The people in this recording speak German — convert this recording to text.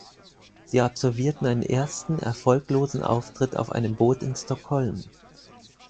Sie absolvierten einen ersten, erfolglosen Auftritt auf einem Boot in Stockholm.